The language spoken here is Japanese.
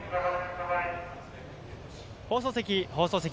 放送席、放送席。